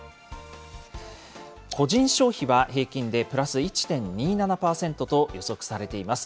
個人消費は平均でプラス１．２７％と予測されています。